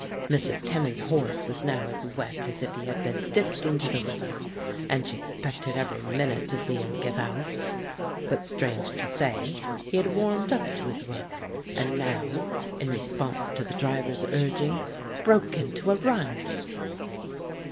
Mrs. Timmins's horse was now as wet as if he had been dipped into the river, and she expected every minute to see him give out; but, strange to say, he had warmed up to his work, and now, in response to the driver's urging, broke into a run.